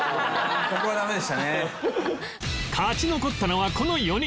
勝ち残ったのはこの４人